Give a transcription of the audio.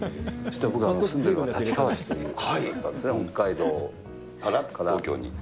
そして住んでるのが立川市という所だったんですね、北海道から東京に。